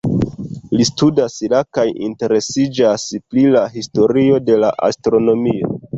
Li studas la kaj interesiĝas pri la historio de la astronomio.